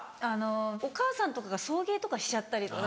お母さんとかが送迎とかしちゃったり。